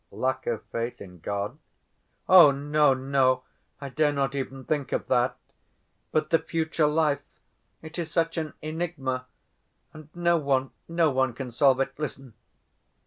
"Lack of faith in God?" "Oh, no, no! I dare not even think of that. But the future life—it is such an enigma! And no one, no one can solve it. Listen!